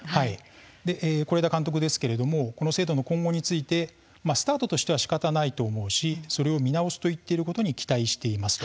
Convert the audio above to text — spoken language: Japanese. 是枝監督ですけれどもこの制度の今後についてスタートとしてはしかたないと思うしそれを見直すと言っていることに期待しています。